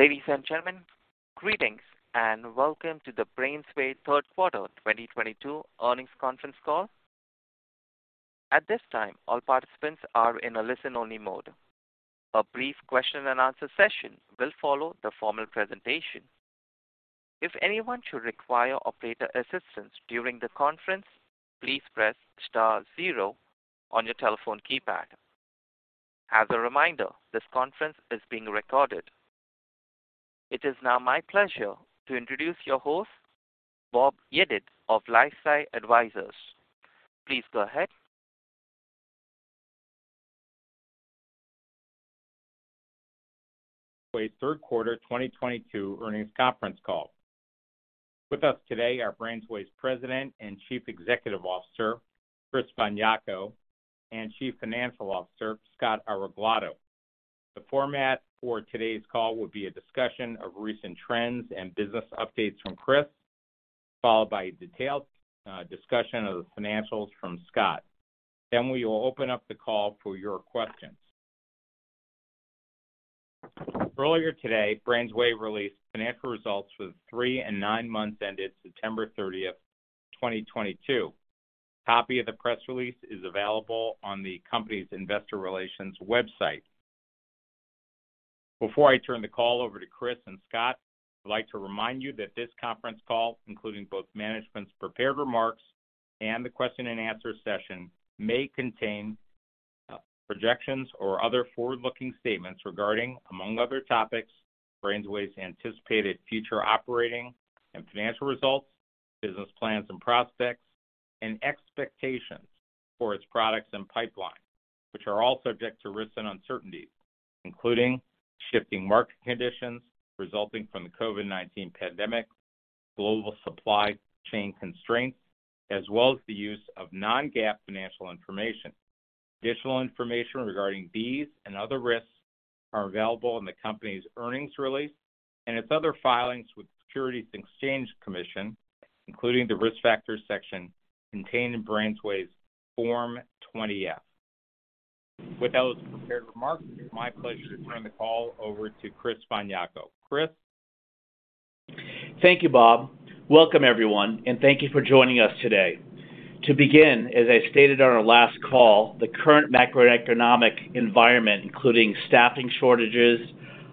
Ladies and gentlemen, greetings, and welcome to the BrainsWay Third Quarter 2022 Earnings Conference Call. At this time, all participants are in a listen-only mode. A brief Q&A session will follow the formal presentation. If anyone should require operator assistance during the conference, please press star zero on your telephone keypad. As a reminder, this conference is being recorded. It is now my pleasure to introduce your host, Bob Yedid of LifeSci Advisors. Please go ahead. BrainsWay third quarter 2022 earnings conference call. With us today are BrainsWay's President and Chief Executive Officer, Chris von Jako, and Chief Financial Officer, Scott Areglado. The format for today's call will be a discussion of recent trends and business updates from Chris, followed by a detailed discussion of the financials from Scott. Then we will open up the call for your questions. Earlier today, BrainsWay released financial results for the three and nine months ended September 30th, 2022. A copy of the press release is available on the company's Investor Relations website. Before I turn the call over to Chris and Scott, I'd like to remind you that this conference call, including both management's prepared remarks and the Q&A session, may contain projections or other forward-looking statements regarding, among other topics, BrainsWay's anticipated future operating and financial results, business plans and prospects, and expectations for its products and pipeline, which are all subject to risks and uncertainties, including shifting market conditions resulting from the COVID-19 pandemic, global supply chain constraints, as well as the use of non-GAAP financial information. Additional information regarding these and other risks are available in the company's earnings release and its other filings with the Securities and Exchange Commission, including the Risk Factors section contained in BrainsWay's Form 20-F. With those prepared remarks, it's my pleasure to turn the call over to Chris von Jako. Chris? Thank you, Bob. Welcome, everyone, and thank you for joining us today. To begin, as I stated on our last call, the current macroeconomic environment, including staffing shortages,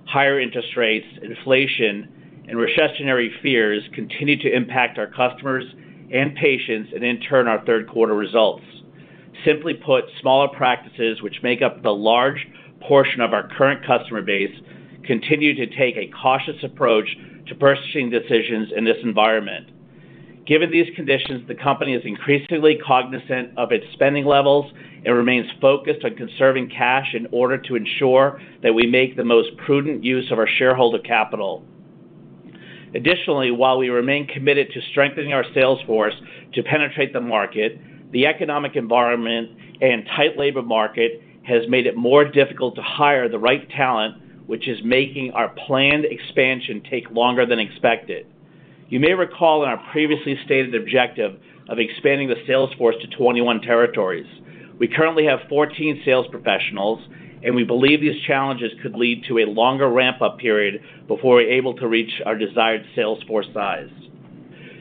higher interest rates, inflation, and recessionary fears, continue to impact our customers and patients, and in turn, our third quarter results. Simply put, smaller practices, which make up the large portion of our current customer base, continue to take a cautious approach to purchasing decisions in this environment. Given these conditions, the company is increasingly cognizant of its spending levels and remains focused on conserving cash in order to ensure that we make the most prudent use of our shareholder capital. Additionally, while we remain committed to strengthening our sales force to penetrate the market, the economic environment and tight labor market has made it more difficult to hire the right talent, which is making our planned expansion take longer than expected. You may recall in our previously stated objective of expanding the sales force to 21 territories. We currently have 14 sales professionals and we believe these challenges could lead to a longer ramp-up period before we're able to reach our desired sales force size.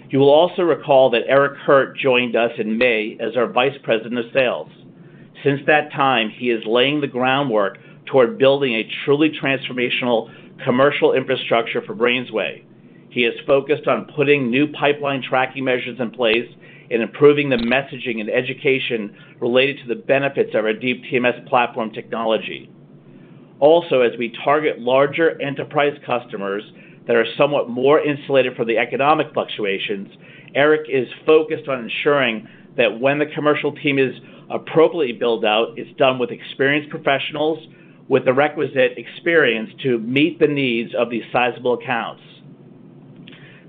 You will also recall that Eric Hirt joined us in May as our Vice President of Sales. Since that time, he is laying the groundwork toward building a truly transformational commercial infrastructure for BrainsWay. He is focused on putting new pipeline tracking measures in place and improving the messaging and education related to the benefits of our Deep TMS platform technology. Also, as we target larger enterprise customers that are somewhat more insulated from the economic fluctuations, Eric is focused on ensuring that when the commercial team is appropriately built out, it's done with experienced professionals with the requisite experience to meet the needs of these sizable accounts.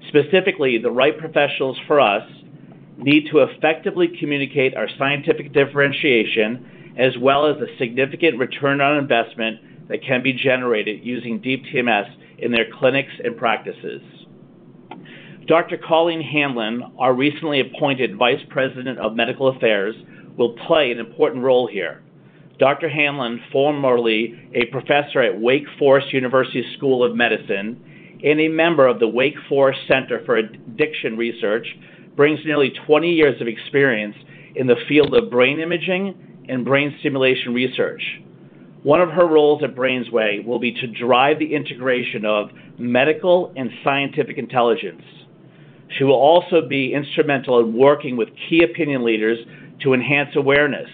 Specifically, the right professionals for us need to effectively communicate our scientific differentiation, as well as the significant return on investment that can be generated using Deep TMS in their clinics and practices. Dr. Colleen Hanlon, our recently appointed Vice President of Medical Affairs, will play an important role here. Dr. Hanlon, formerly a professor at Wake Forest University School of Medicine and a member of the Wake Forest Center for Addiction Research, brings nearly 20 years of experience in the field of brain imaging and brain stimulation research. One of her roles at BrainsWay will be to drive the integration of medical and scientific intelligence. She will also be instrumental in working with key opinion leaders to enhance awareness,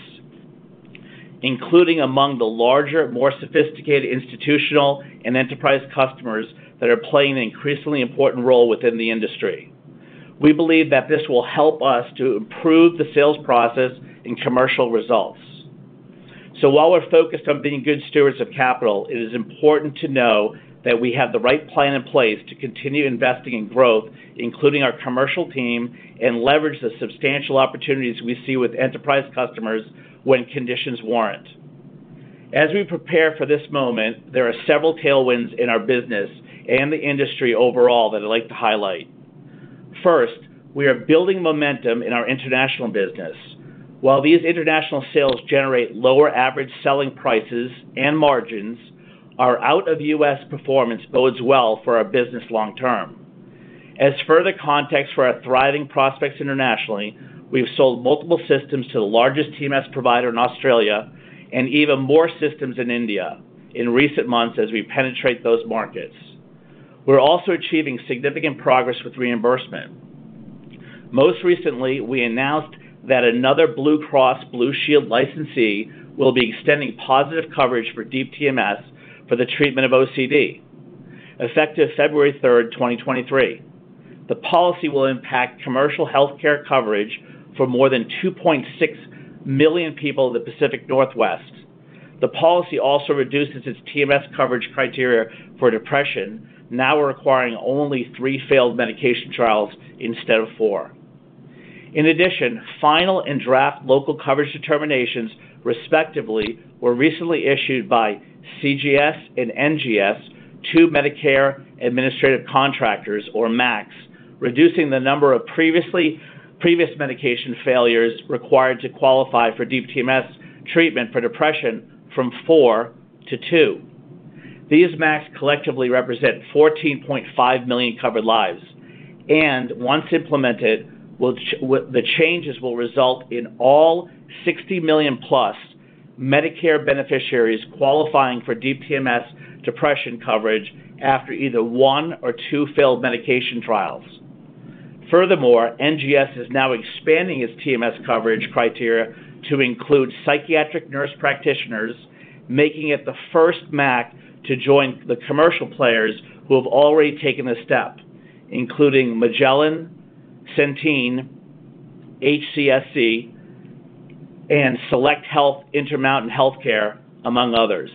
including among the larger, more sophisticated institutional and enterprise customers that are playing an increasingly important role within the industry. We believe that this will help us to improve the sales process and commercial results. While we're focused on being good stewards of capital, it is important to know that we have the right plan in place to continue investing in growth, including our commercial team, and leverage the substantial opportunities we see with enterprise customers when conditions warrant. As we prepare for this moment, there are several tailwinds in our business and the industry overall that I'd like to highlight. First, we are building momentum in our international business. While these international sales generate lower average selling prices and margins, our out-of-US performance bodes well for our business long term. As further context for our thriving prospects internationally, we've sold multiple systems to the largest TMS provider in Australia and even more systems in India in recent months as we penetrate those markets. We're also achieving significant progress with reimbursement. Most recently, we announced that another Blue Cross Blue Shield licensee will be extending positive coverage for Deep TMS for the treatment of OCD, effective February 3rd, 2023. The policy will impact commercial healthcare coverage for more than 2.6 million people in the Pacific Northwest. The policy also reduces its TMS coverage criteria for depression, now requiring only three failed medication trials instead of four. In addition, final and draft local coverage determinations, respectively, were recently issued by CGS and NGS to Medicare Administrative Contractors, or MACs, reducing the number of previous medication failures required to qualify for Deep TMS treatment for depression from four to two. These MACs collectively represent 14.5 million covered lives, and once implemented, the changes will result in all 60 million+ Medicare beneficiaries qualifying for Deep TMS depression coverage after either one or two failed medication trials. Furthermore, NGS is now expanding its TMS coverage criteria to include psychiatric nurse practitioners, making it the first MAC to join the commercial players who have already taken this step, including Magellan, Centene, HCSC, and SelectHealth, Intermountain Healthcare, among others.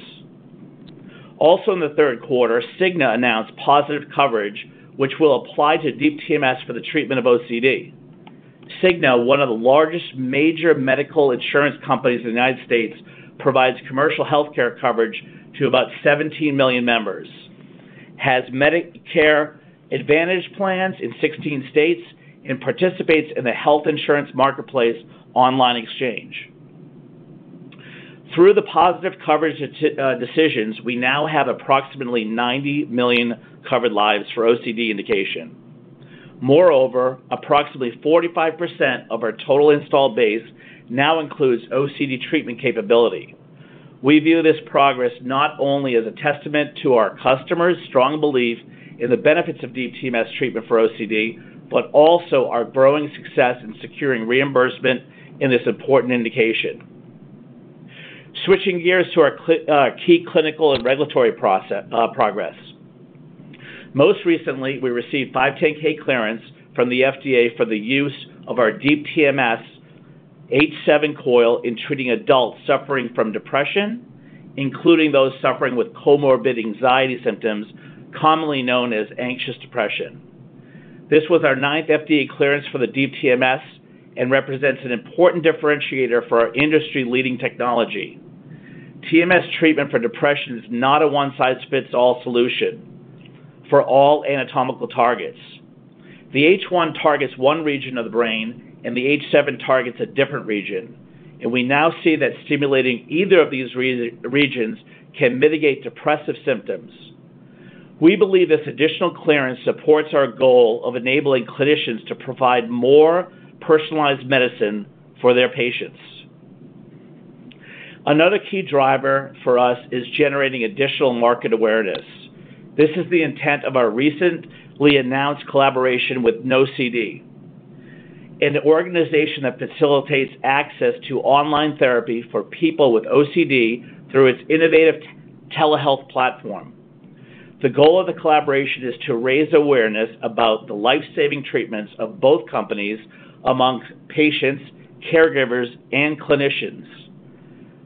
Also in the third quarter, Cigna announced positive coverage which will apply to Deep TMS for the treatment of OCD. Cigna, one of the largest major medical insurance companies in the United States, provides commercial healthcare coverage to about 17 million members, has Medicare Advantage plans in 16 states, and participates in the Health Insurance Marketplace online exchange. Through the positive coverage decisions, we now have approximately 90 million covered lives for OCD indication. Moreover, approximately 45% of our total installed base now includes OCD treatment capability. We view this progress not only as a testament to our customers' strong belief in the benefits of Deep TMS treatment for OCD, but also our growing success in securing reimbursement in this important indication. Switching gears to our key clinical and regulatory progress. Most recently, we received 510(k) clearance from the FDA for the use of our Deep TMS H7 Coil in treating adults suffering from depression, including those suffering with comorbid anxiety symptoms, commonly known as anxious depression. This was our 9th FDA clearance for the Deep TMS and represents an important differentiator for our industry-leading technology. TMS treatment for depression is not a one-size-fits-all solution for all anatomical targets. The H1 targets one region of the brain and the H7 targets a different region, and we now see that stimulating either of these regions can mitigate depressive symptoms. We believe this additional clearance supports our goal of enabling clinicians to provide more personalized medicine for their patients. Another key driver for us is generating additional market awareness. This is the intent of our recently announced collaboration with NOCD, an organization that facilitates access to online therapy for people with OCD through its innovative telehealth platform. The goal of the collaboration is to raise awareness about the life-saving treatments of both companies among patients, caregivers, and clinicians.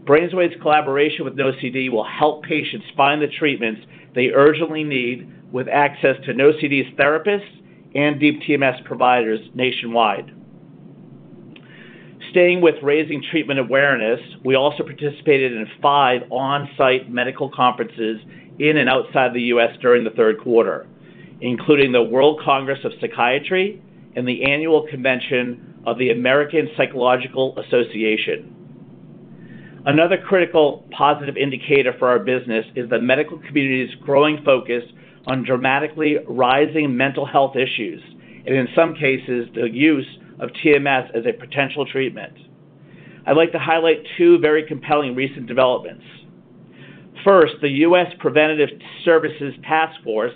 BrainsWay's collaboration with NOCD will help patients find the treatments they urgently need with access to NOCD's therapists and Deep TMS providers nationwide. Staying with raising treatment awareness, we also participated in five on-site medical conferences in and outside the U.S. during the third quarter, including the World Congress of Psychiatry and the Annual Convention of the American Psychological Association. Another critical positive indicator for our business is the medical community's growing focus on dramatically rising mental health issues and, in some cases, the use of TMS as a potential treatment. I'd like to highlight two very compelling recent developments. First, the U.S. Preventive Services Task Force,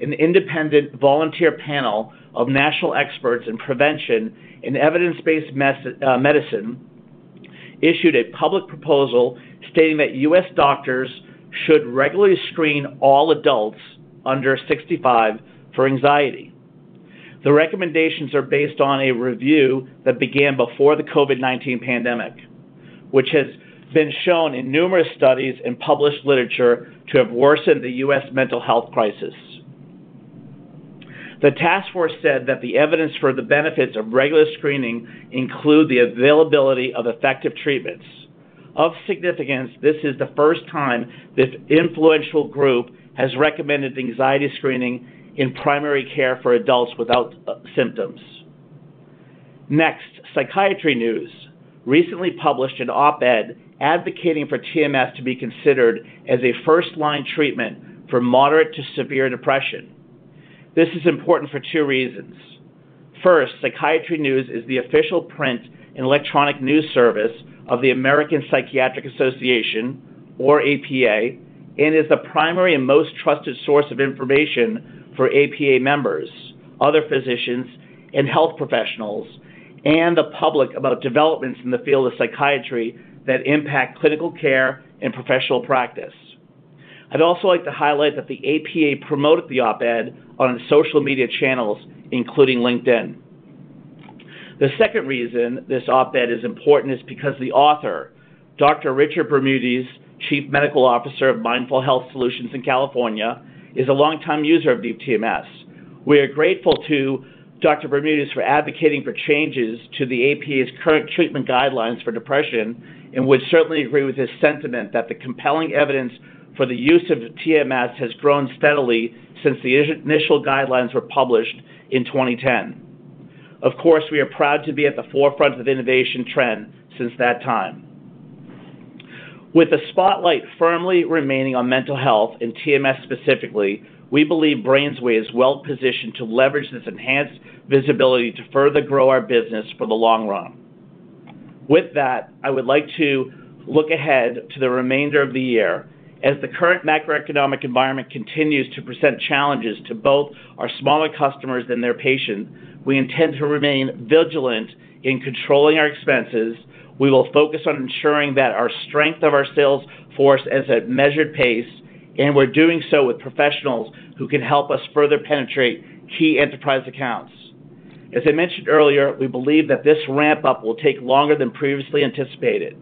an independent volunteer panel of national experts in prevention in evidence-based medicine, issued a public proposal stating that U.S. doctors should regularly screen all adults under 65 for anxiety. The recommendations are based on a review that began before the COVID-19 pandemic, which has been shown in numerous studies and published literature to have worsened the U.S. mental health crisis. The task force said that the evidence for the benefits of regular screening include the availability of effective treatments. Of significance, this is the first time this influential group has recommended anxiety screening in primary care for adults without symptoms. Next, Psychiatric News recently published an op-ed advocating for TMS to be considered as a first-line treatment for moderate to severe depression. This is important for two reasons. First, Psychiatric News is the official print and electronic news service of the American Psychiatric Association, or APA, and is the primary and most trusted source of information for APA members, other physicians and health professionals, and the public about developments in the field of psychiatry that impact clinical care and professional practice. I'd also like to highlight that the APA promoted the op-ed on its social media channels, including LinkedIn. The second reason this op-ed is important is because the author, Dr. Richard Bermudes, Chief Medical Officer of Mindful Health Solutions in California, is a longtime user of Deep TMS. We are grateful to Dr. Bermudes for advocating for changes to the APA's current treatment guidelines for depression, and we certainly agree with his sentiment that the compelling evidence for the use of TMS has grown steadily since the initial guidelines were published in 2010. Of course, we are proud to be at the forefront of the innovation trend since that time. With the spotlight firmly remaining on mental health and TMS specifically, we believe BrainsWay is well positioned to leverage this enhanced visibility to further grow our business for the long run. With that, I would like to look ahead to the remainder of the year. As the current macroeconomic environment continues to present challenges to both our smaller customers and their patients, we intend to remain vigilant in controlling our expenses. We will focus on ensuring that our strength of our sales force is at measured pace, and we're doing so with professionals who can help us further penetrate key enterprise accounts. As I mentioned earlier, we believe that this ramp-up will take longer than previously anticipated.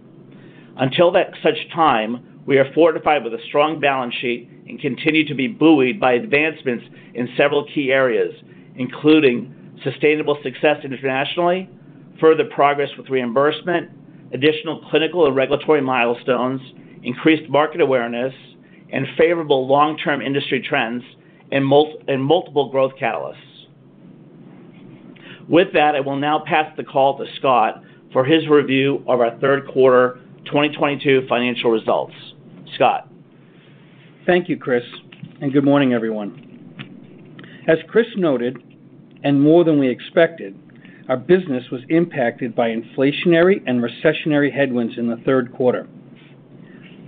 Until such time, we are fortified with a strong balance sheet and continue to be buoyed by advancements in several key areas, including sustainable success internationally, further progress with reimbursement, additional clinical and regulatory milestones, increased market awareness and favorable long-term industry trends in multiple growth catalysts. With that, I will now pass the call to Scott for his review of our third quarter 2022 financial results. Scott? Thank you, Chris, and good morning, everyone. As Chris noted, and more than we expected, our business was impacted by inflationary and recessionary headwinds in the third quarter.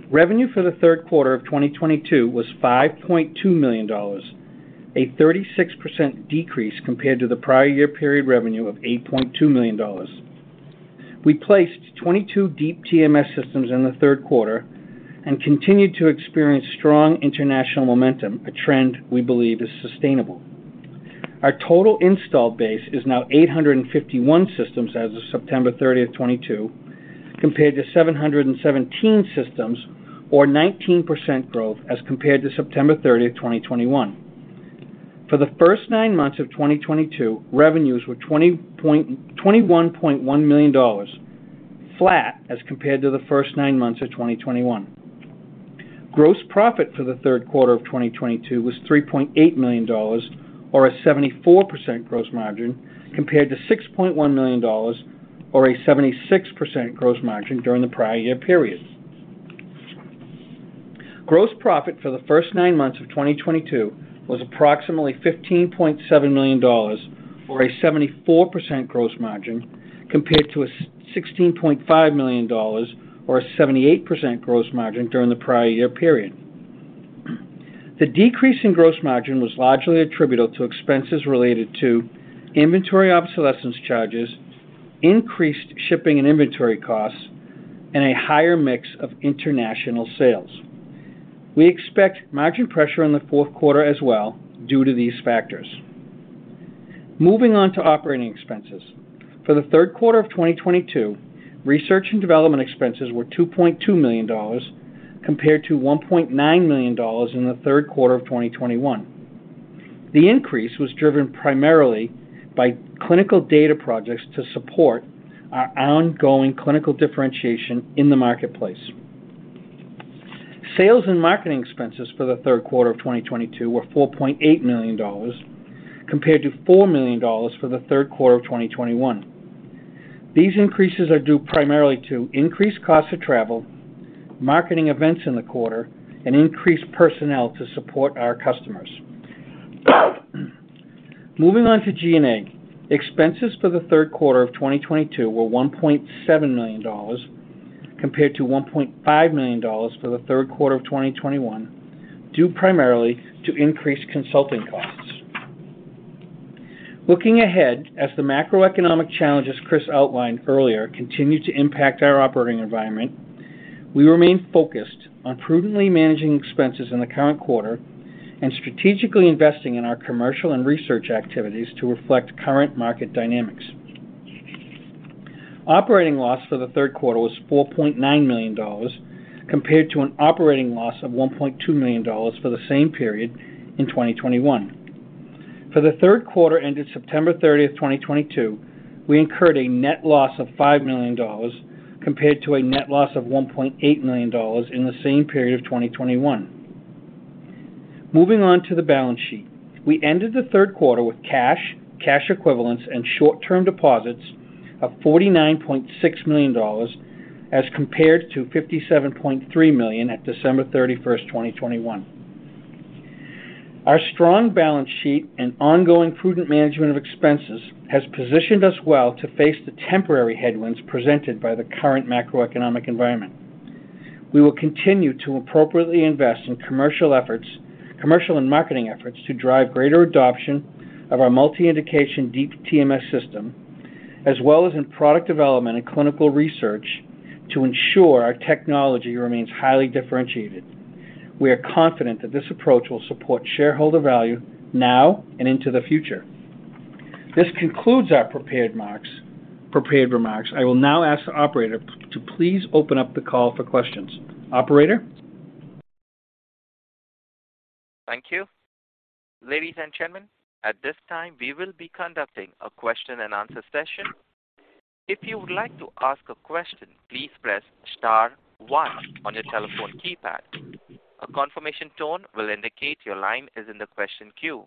Revenue for the third quarter of 2022 was $5.2 million, a 36% decrease compared to the prior year period revenue of $8.2 million. We placed 22 Deep TMS systems in the third quarter and continued to experience strong international momentum, a trend we believe is sustainable. Our total install base is now 851 systems as of September 30th, 2022, compared to 717 systems or 19% growth as compared to September 30th, 2021. For the first nine months of 2022, revenues were $21.1 million, flat as compared to the first nine months of 2021. Gross profit for the third quarter of 2022 was $3.8 million or a 74% gross margin compared to $6.1 million or a 76% gross margin during the prior year period. Gross profit for the first nine months of 2022 was approximately $15.7 million or a 74% gross margin compared to sixteen point five million dollars or a 78% gross margin during the prior year period. The decrease in gross margin was largely attributable to expenses related to inventory obsolescence charges, increased shipping and inventory costs, and a higher mix of international sales. We expect margin pressure in the fourth quarter as well due to these factors. Moving on to operating expenses. For the third quarter of 2022, research and development expenses were $2.2 million compared to $1.9 million in the third quarter of 2021. The increase was driven primarily by clinical data projects to support our ongoing clinical differentiation in the marketplace. Sales and marketing expenses for the third quarter of 2022 were $4.8 million compared to $4 million for the third quarter of 2021. These increases are due primarily to increased costs of travel, marketing events in the quarter, and increased personnel to support our customers. Moving on to G&A. Expenses for the third quarter of 2022 were $1.7 million compared to $1.5 million for the third quarter of 2021, due primarily to increased consulting costs. Looking ahead, as the macroeconomic challenges Chris outlined earlier continue to impact our operating environment, we remain focused on prudently managing expenses in the current quarter and strategically investing in our commercial and research activities to reflect current market dynamics. Operating loss for the third quarter was $4.9 million compared to an operating loss of $1.2 million for the same period in 2021. For the third quarter ended September 30th, 2022, we incurred a net loss of $5 million compared to a net loss of $1.8 million in the same period of 2021. Moving on to the balance sheet. We ended the third quarter with cash equivalents, and short-term deposits of $49.6 million as compared to $57.3 million at December 31st, 2021. Our strong balance sheet and ongoing prudent management of expenses has positioned us well to face the temporary headwinds presented by the current macroeconomic environment. We will continue to appropriately invest in commercial and marketing efforts to drive greater adoption of our multi-indication Deep TMS system, as well as in product development and clinical research to ensure our technology remains highly differentiated. We are confident that this approach will support shareholder value now and into the future. This concludes our prepared remarks. I will now ask the operator to please open up the call for questions. Operator? Thank you. Ladies and gentlemen, at this time, we will be conducting a Q&A session. If you would like to ask a question, please press star one on your telephone keypad. A confirmation tone will indicate your line is in the question queue.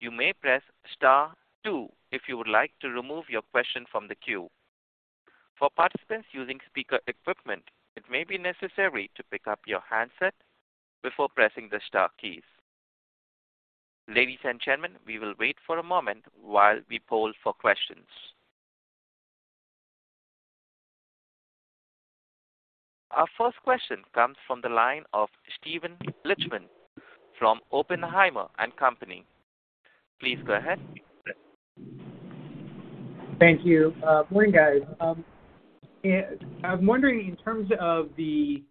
You may press star two if you would like to remove your question from the queue. For participants using speaker equipment, it may be necessary to pick up your handset before pressing the star keys. Ladies and gentlemen, we will wait for a moment while we poll for questions. Our first question comes from the line of Steven Lichtman from Oppenheimer & Company. Please go ahead. Thank you. Morning, guys. Yeah, I'm wondering in terms of the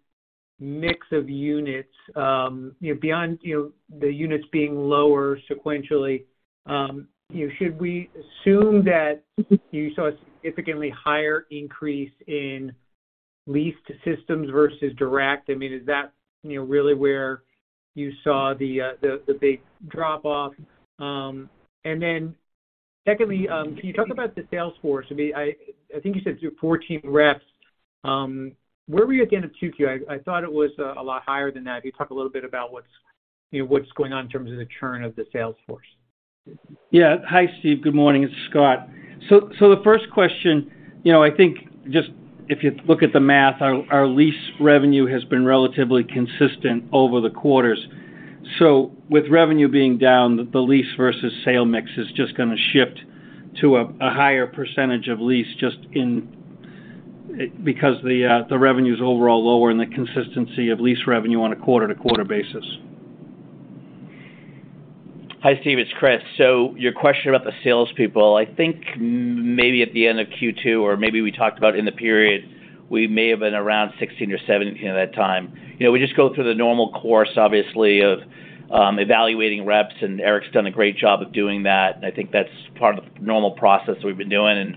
mix of units, you know, beyond the units being lower sequentially, you know, should we assume that you saw a significantly higher increase in leased systems versus direct? I mean, is that, you know, really where you saw the big drop-off? Secondly, can you talk about the sales force? I mean, I think you said four team reps. Where were you at the end of 2Q? I thought it was a lot higher than that. Can you talk a little bit about what's going on in terms of the churn of the sales force? Yeah. Hi, Steven. Good morning. It's Scott. The first question, you know, I think just if you look at the math, our lease revenue has been relatively consistent over the quarters. With revenue being down, the lease versus sale mix is just gonna shift to a higher percentage of lease because the revenue's overall lower and the consistency of lease revenue on a quarter-to-quarter basis. Hi, Steve. It's Chris. Your question about the salespeople, I think maybe at the end of Q2 or maybe we talked about in the period, we may have been around 16 or 17 at that time. You know, we just go through the normal course, obviously, of evaluating reps, and Eric Hirt's done a great job of doing that. I think that's part of the normal process we've been doing, and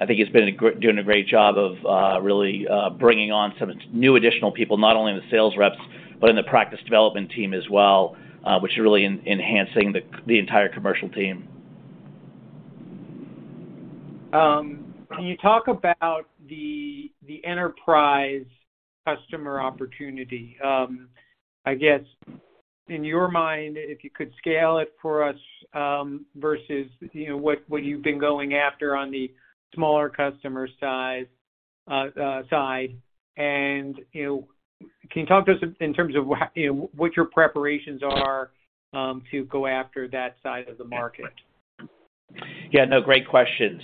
I think he's been doing a great job of really bringing on some new additional people, not only in the sales reps, but in the practice development team as well, which is really enhancing the entire commercial team. Can you talk about the enterprise customer opportunity? I guess in your mind, if you could scale it for us, versus, you know, what you've been going after on the smaller customer size side. You know, can you talk to us in terms of you know, what your preparations are, to go after that side of the market? Yeah. No, great question.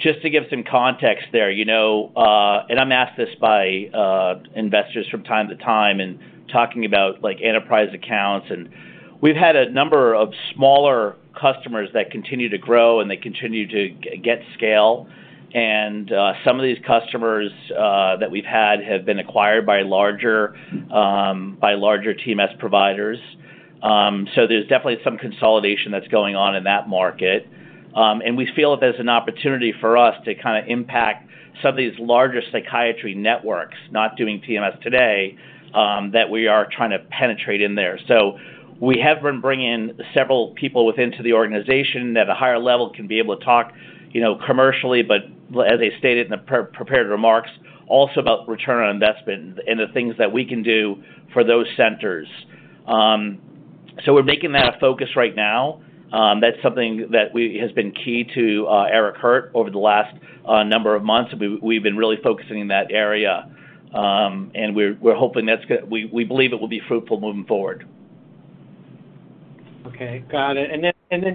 Just to give some context there, you know, and I'm asked this by investors from time to time and talking about, like, enterprise accounts. We've had a number of smaller customers that continue to grow, and they continue to get scale. Some of these customers that we've had have been acquired by larger TMS providers. There's definitely some consolidation that's going on in that market. We feel that there's an opportunity for us to kind of impact some of these larger psychiatry networks not doing TMS today, that we are trying to penetrate in there. We have been bringing several people within to the organization that a higher level can be able to talk, you know, commercially, but as I stated in the prepared remarks, also about return on investment and the things that we can do for those centers. We're making that a focus right now. That's something that has been key to Eric Hirt over the last number of months. We've been really focusing in that area. We believe it will be fruitful moving forward. Okay. Got it.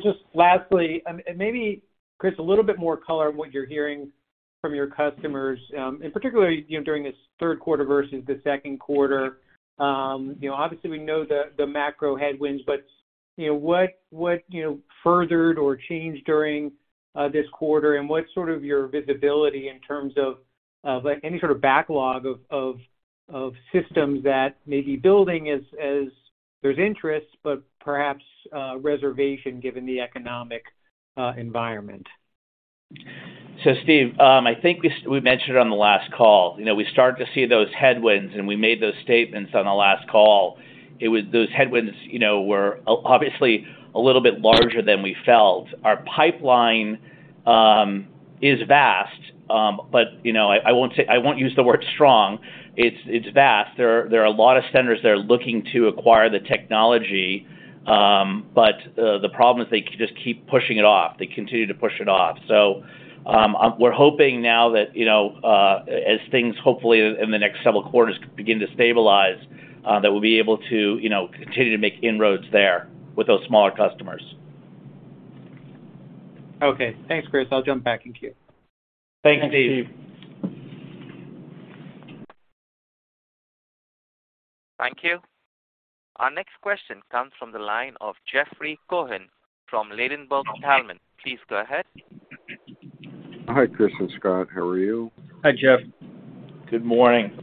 Just lastly, and maybe, Chris, a little bit more color on what you're hearing from your customers, and particularly, you know, during this third quarter versus the second quarter. You know, obviously, we know the macro headwinds, but, you know, what furthered or changed during this quarter and what's sort of your visibility in terms of, like, any sort of backlog of systems that may be building as there's interest, but perhaps reservation given the economic environment? So Steve, I think we mentioned on the last call, you know, we started to see those headwinds, and we made those statements on the last call. Those headwinds, you know, were obviously a little bit larger than we felt. Our pipeline is vast, but, you know, I won't use the word strong. It's vast. There are a lot of centers that are looking to acquire the technology, but, the problem is they just keep pushing it off. They continue to push it off. We're hoping now that, you know, as things hopefully in the next several quarters begin to stabilize, that we'll be able to, you know, continue to make inroads there with those smaller customers. Okay. Thanks, Chris. I'll jump back in queue. Thanks, Steve. Thanks, Steven. Thank you. Our next question comes from the line of Jeffrey Cohen from Ladenburg Thalmann. Please go ahead. Hi, Chris and Scott. How are you? Hi, Jeff. Good morning.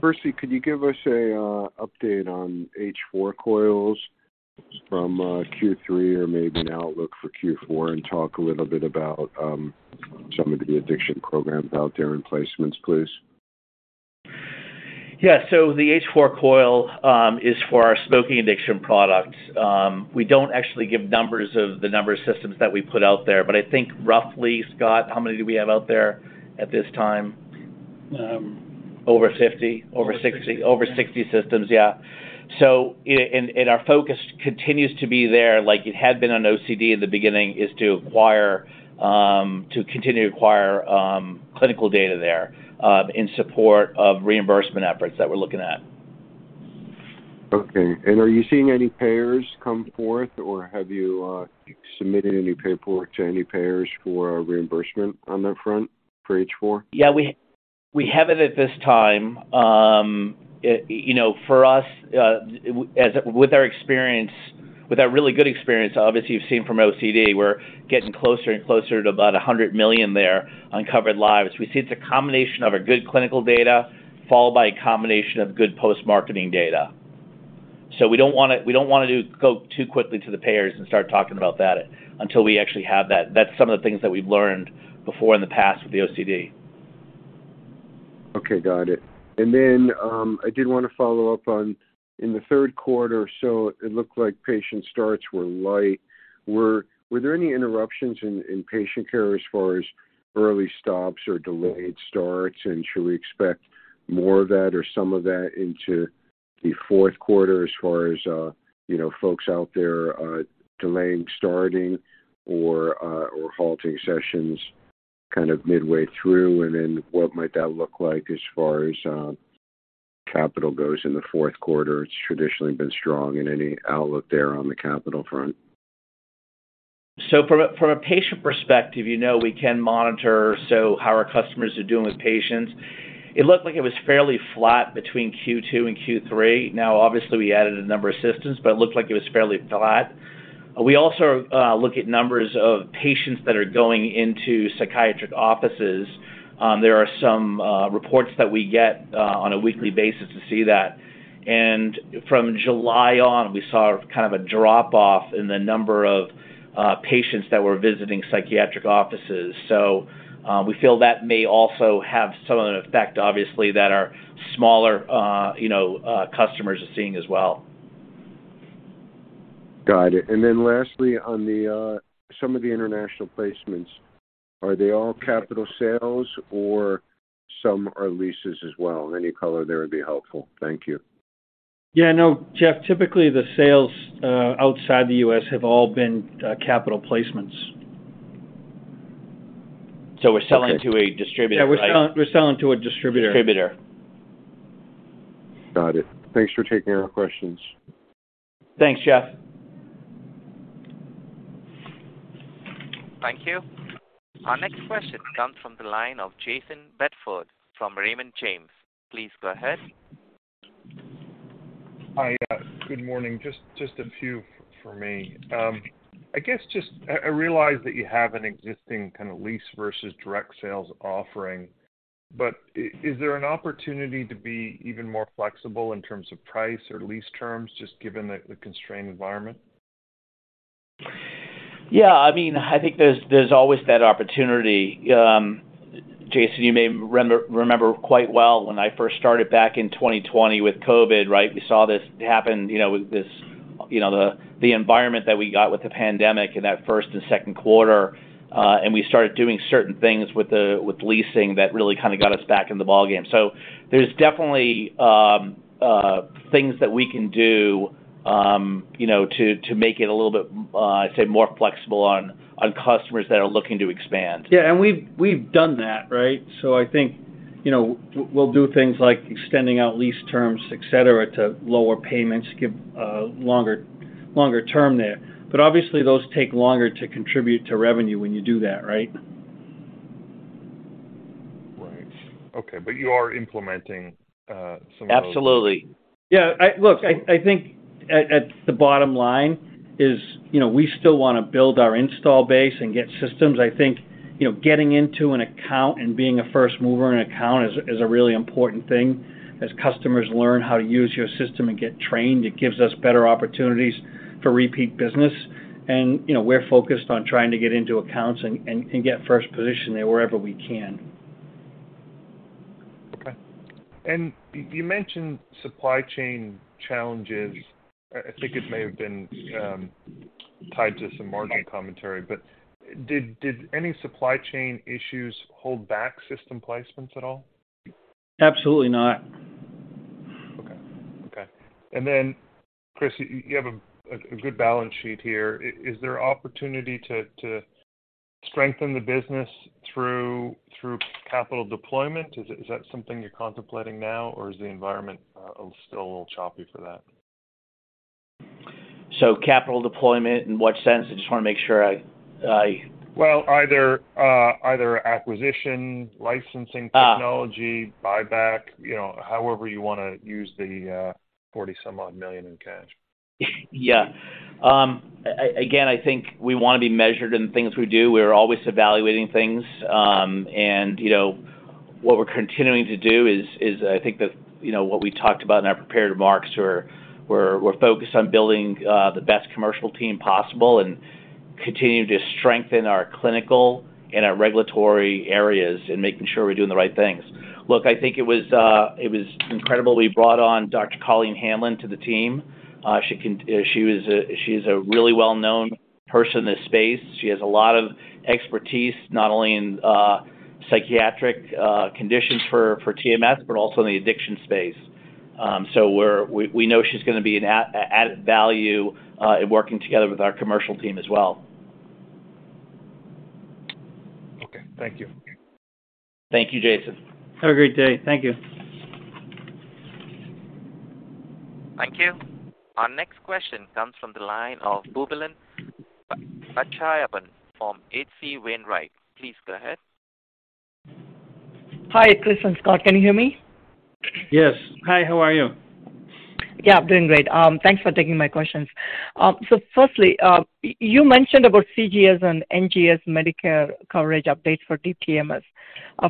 Firstly, could you give us an update on H4 coils from Q3 or maybe an outlook for Q4 and talk a little bit about some of the addiction programs out there and placements, Chris? Yeah. The H4 Coil is for our smoking addiction products. We don't actually give numbers of the number of systems that we put out there, but I think roughly, Scott, how many do we have out there at this time? Um. Over 50. Over 60. Over 60. Over 60 systems, yeah. Our focus continues to be there like it had been on OCD in the beginning is to continue to acquire clinical data there in support of reimbursement efforts that we're looking at. Okay. Are you seeing any payers come forth, or have you submitted any paperwork to any payers for reimbursement on that front for H4? Yeah, we haven't at this time. You know, for us, with our experience, with our really good experience, obviously you've seen from OCD, we're getting closer and closer to about 100 million there on covered lives. We see it's a combination of our good clinical data followed by a combination of good post-marketing data. We don't wanna go too quickly to the payers and start talking about that until we actually have that. That's some of the things that we've learned before in the past with the OCD. Okay, got it. I did wanna follow up on in the third quarter or so, it looked like patient starts were light. Were there any interruptions in patient care as far as early stops or delayed starts? Should we expect more of that or some of that into the fourth quarter as far as you know, folks out there delaying starting or halting sessions kind of midway through? What might that look like as far as capital goes in the fourth quarter? It's traditionally been strong. Any outlook there on the capital front? From a patient perspective, you know we can monitor how our customers are doing with patients. It looked like it was fairly flat between Q2 and Q3. Now obviously we added a number of systems, but it looked like it was fairly flat. We also look at numbers of patients that are going into psychiatric offices. There are some reports that we get on a weekly basis to see that. From July on, we saw kind of a drop-off in the number of patients that were visiting psychiatric offices. We feel that may also have some of an effect, obviously, that our smaller, you know, customers are seeing as well. Got it. Lastly, on some of the international placements, are they all capital sales or some are leases as well? Any color there would be helpful. Thank you. Yeah, no, Jeff. Typically, the sales outside the US have all been capital placements. We're selling. Okay. to a distributor, right? Yeah, we're selling to a distributor. Distributor. Got it. Thanks for taking our questions. Thanks, Jeff. Thank you. Our next question comes from the line of Jayson Bedford from Raymond James. Please go ahead. Hi. Good morning. Just a few from me. I guess I realize that you have an existing kind of lease versus direct sales offering, but is there an opportunity to be even more flexible in terms of price or lease terms just given the constrained environment? Yeah, I mean, I think there's always that opportunity. Jason, you may remember quite well when I first started back in 2020 with COVID, right? We saw this happen, you know, with this, you know, the environment that we got with the pandemic in that first and second quarter, and we started doing certain things with leasing that really kind of got us back in the ball game. There's definitely things that we can do, you know, to make it a little bit, say, more flexible on customers that are looking to expand. Yeah. We've done that, right? I think, you know, we'll do things like extending out lease terms, et cetera, to lower payments, give a longer term there. Obviously, those take longer to contribute to revenue when you do that, right? Right. Okay. You are implementing some of those. Absolutely. Yeah. Look, I think at the bottom line is, you know, we still wanna build our installed base and get systems. I think, you know, getting into an account and being a first mover in an account is a really important thing. As customers learn how to use your system and get trained, it gives us better opportunities for repeat business. You know, we're focused on trying to get into accounts and get first position there wherever we can. Okay. You mentioned supply chain challenges. I think it may have been tied to some margin commentary, but did any supply chain issues hold back system placements at all? Absolutely not. Okay and then Chris, you have a good balance sheet here. Is there opportunity to strengthen the business through capital deployment? Is that something you're contemplating now, or is the environment still a little choppy for that? Capital deployment in what sense? I just wanna make sure I. Well, either acquisition, licensing. Ah. technology, buyback, you know, however you wanna use the $40-some-odd million in cash. Yeah. Again, I think we wanna be measured in things we do. We're always evaluating things. You know, what we're continuing to do is I think that, you know, what we talked about in our prepared remarks, we're focused on building the best commercial team possible and continuing to strengthen our clinical and our regulatory areas and making sure we're doing the right things. Look, I think it was incredible we brought on Dr. Colleen Hanlon to the team. She's a really well-known person in this space. She has a lot of expertise, not only in psychiatric conditions for TMS, but also in the addiction space. We know she's gonna be an added value in working together with our commercial team as well. Okay. Thank you. Thank you, Jason. Have a great day. Thank you. Thank you. Our next question comes from the line of Raghuram Selvaraju from H.C. Wainwright. Please go ahead. Hi, Chris and Scott. Can you hear me? Yes. Hi, how are you? Yeah, I'm doing great. Thanks for taking my questions. Firstly, you mentioned about CGS and NGS Medicare coverage updates for DTMS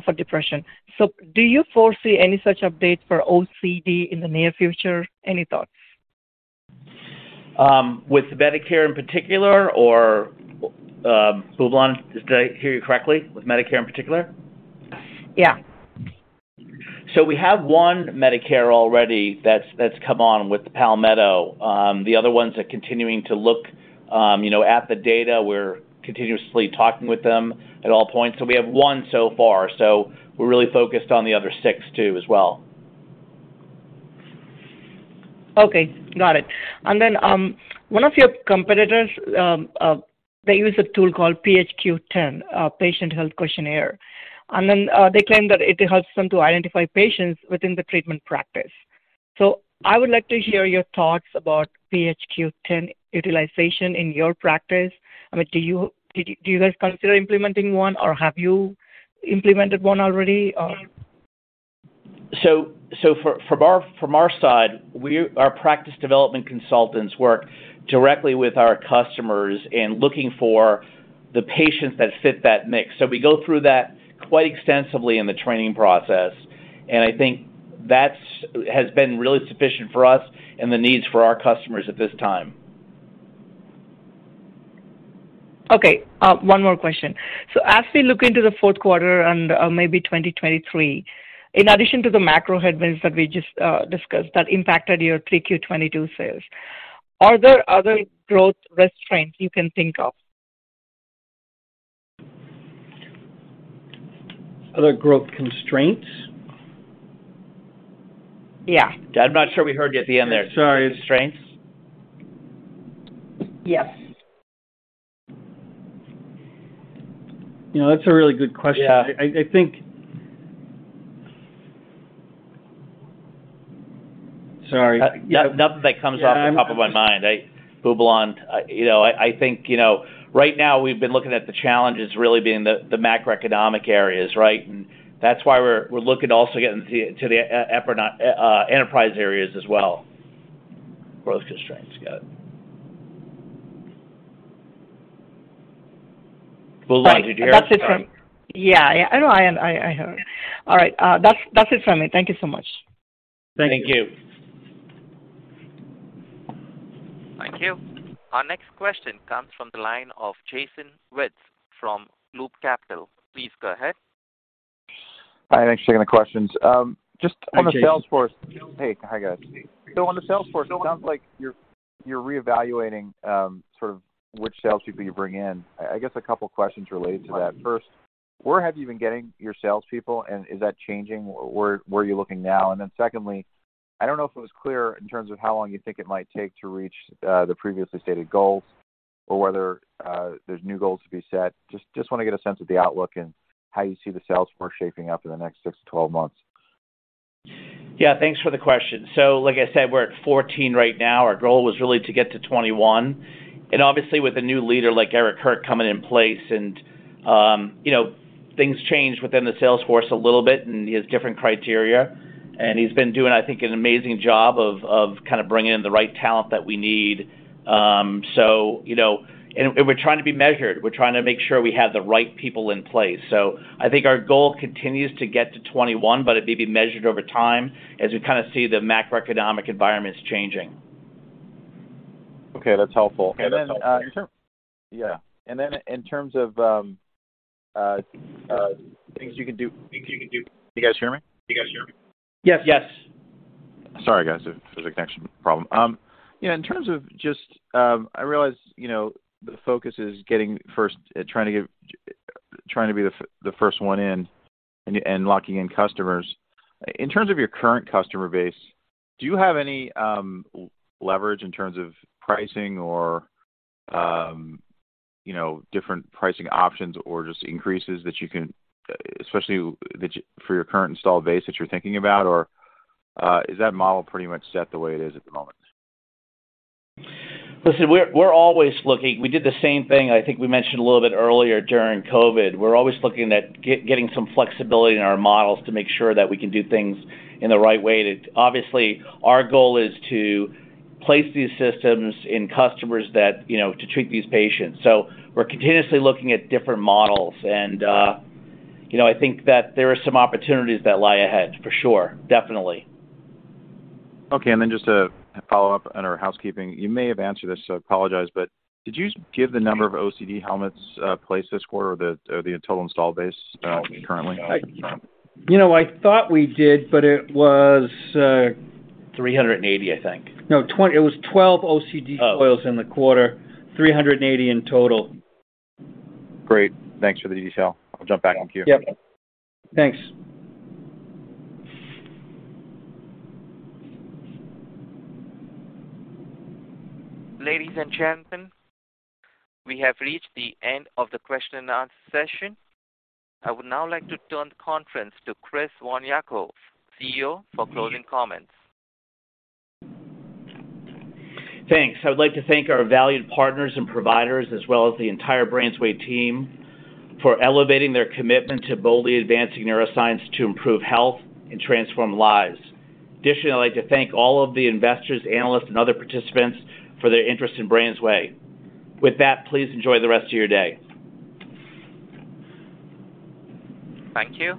for depression. Do you foresee any such updates for OCD in the near future? Any thoughts? With Medicare in particular or, Raghuram Selvaraju, did I hear you correctly, with Medicare in particular? Yeah. We have one Medicare already that's come on with Palmetto. The other ones are continuing to look, you know, at the data. We're continuously talking with them at all points. We have one so far, so we're really focused on the other six too as well. Okay, got it. One of your competitors, they use a tool called PHQ-9, Patient Health Questionnaire, and then they claim that it helps them to identify patients within the treatment practice. I would like to hear your thoughts about PHQ-9 utilization in your practice. I mean, do you guys consider implementing one, or have you implemented one already or? From our side, our practice development consultants work directly with our customers in looking for the patients that fit that mix. We go through that quite extensively in the training process, and I think that has been really sufficient for us and the needs for our customers at this time. Okay. One more question. As we look into the fourth quarter and maybe 2023, in addition to the macro headwinds that we just discussed that impacted your Q3 2022 sales, are there other growth restraints you can think of? Other growth constraints? Yeah. I'm not sure we heard you at the end there. Sorry. Constraints? Yes. You know, that's a really good question. Yeah. I think. Sorry. Nothing, nothing that comes off the top of my mind. Raghuram, you know, I think, you know, right now we've been looking at the challenges really being the macroeconomic areas, right? That's why we're looking to also get into the enterprise areas as well. Growth constraints. Got it. Raghuram, did you hear me? Sorry. Yeah. No, I heard. All right. That's it from me. Thank you so much. Thank you. Thank you. Thank you. Our next question comes from the line of Jason Wittes from Loop Capital. Please go ahead. Hi, thanks for taking the questions. Hi, Jason. On the sales force. Hey. Hi, guys. On the sales force, it sounds like you're re-evaluating sort of which sales people you bring in. I guess a couple of questions related to that. First, where have you been getting your sales people, and is that changing? Where are you looking now? Secondly, I don't know if it was clear in terms of how long you think it might take to reach the previously stated goals or whether there's new goals to be set. Just wanna get a sense of the outlook and how you see the sales force shaping up in the next 6-12 months. Yeah, thanks for the question. Like I said, we're at 14 right now. Our goal was really to get to 21. Obviously with a new leader like Eric Hirt coming in place and, you know, things change within the sales force a little bit, and he has different criteria. He's been doing, I think, an amazing job of kind of bringing in the right talent that we need. You know, we're trying to be measured. We're trying to make sure we have the right people in place. I think our goal continues to get to 21, but it may be measured over time as we kind of see the macroeconomic environments changing. Okay, that's helpful. Yeah. In terms of things you can do. You guys hear me? Yes. Yes. Sorry, guys. There's a connection problem. Yeah, in terms of just, I realize, you know, the focus is trying to be the first one in and locking in customers. In terms of your current customer base, do you have any leverage in terms of pricing or, you know, different pricing options or just increases that you can, especially for your current installed base that you're thinking about? Or, is that model pretty much set the way it is at the moment? Listen, we're always looking. We did the same thing, I think we mentioned a little bit earlier during COVID. We're always looking at getting some flexibility in our models to make sure that we can do things in the right way. Obviously, our goal is to place these systems in customers that, you know, to treat these patients. We're continuously looking at different models and, you know, I think that there are some opportunities that lie ahead for sure. Definitely. Okay. Just a follow-up under housekeeping. You may have answered this, so I apologize. Did you give the number of OCD helmets placed this quarter or the total installed base currently? You know, I thought we did, but it was. 380, I think. It was 12 OCD coils in the quarter, 380 in total. Great. Thanks for the detail. I'll jump back in queue. Yep. Thanks. Ladies and gentlemen, we have reached the end of the question and answer session. I would now like to turn the conference to Chris von Jako, CEO, for closing comments. Thanks. I would like to thank our valued partners and providers as well as the entire BrainsWay team for elevating their commitment to boldly advancing neuroscience to improve health and transform lives. Additionally, I'd like to thank all of the investors, analysts, and other participants for their interest in BrainsWay. With that, please enjoy the rest of your day. Thank you.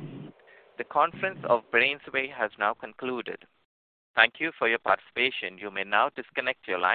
The conference of BrainsWay has now concluded. Thank you for your participation. You may now disconnect your line.